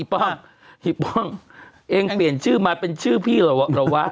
เอ้ยป้องเองเปลี่ยนชื่อมาเป็นชื่อพี่หรือวะ